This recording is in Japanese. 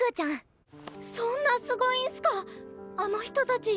そんなすごいんすかあの人たち。